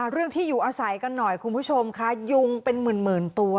เรื่องที่อยู่อาศัยกันหน่อยคุณผู้ชมค่ะยุงเป็นหมื่นตัว